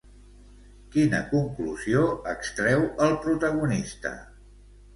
Quina conclusió extreu el protagonista?